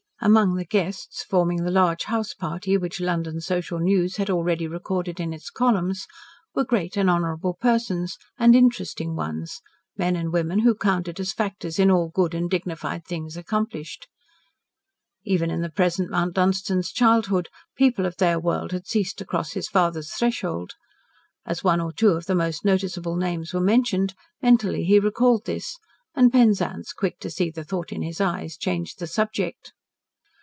Among the guests, forming the large house party which London social news had already recorded in its columns, were great and honourable persons, and interesting ones, men and women who counted as factors in all good and dignified things accomplished. Even in the present Mount Dunstan's childhood, people of their world had ceased to cross his father's threshold. As one or two of the most noticeable names were mentioned, mentally he recalled this, and Penzance, quick to see the thought in his eyes, changed the subject.